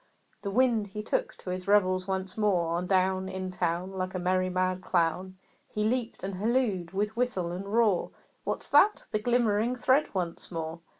The Wind, he took to his revels once more; On down In town, Like a merry mad clown, He leaped and hallooed with whistle and roar, "What's that?" The glimmering thread once more!